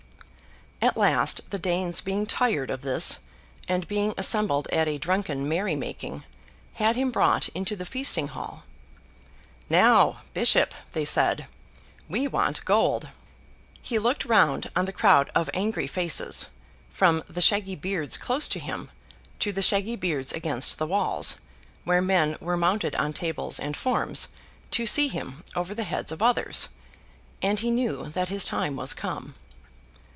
At last, the Danes being tired of this, and being assembled at a drunken merry making, had him brought into the feasting hall. 'Now, bishop,' they said, 'we want gold!' He looked round on the crowd of angry faces; from the shaggy beards close to him, to the shaggy beards against the walls, where men were mounted on tables and forms to see him over the heads of others: and he knew that his time was come.